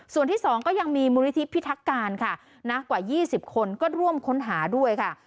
ส่วนที่๒ก็ยังมีมูลนิธิพิทักการค่ะนักกว่า๒๐คนก็ร่วมค้นหาด้วยค่ะ